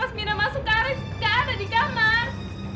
pas mida masuk karis gak ada di kamar